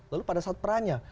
lalu pada saat pra nya